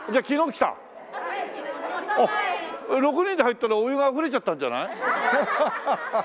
６人で入ったらお湯があふれちゃったんじゃない？